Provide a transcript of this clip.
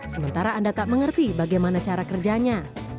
sementara anda tak mengerti bagaimana cara kerjanya